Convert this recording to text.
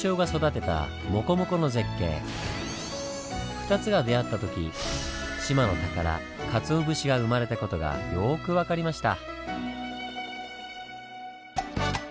２つが出会った時志摩の宝カツオ節が生まれた事がよく分かりました。